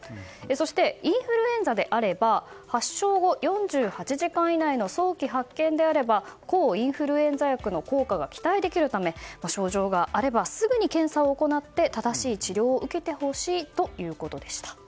そしてインフルエンザであれば発症後４８時間以内の早期発見であれば抗インフルエンザ薬の効果が期待できるため、症状があればすぐに検査を行って正しい治療を受けてほしいということでした。